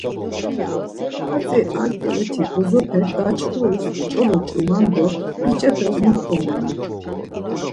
Hatzi ar ǩeleti bozopek daçxuris nç̌olo ç̌uman do biç̌-epes nut̆ǩomelnan.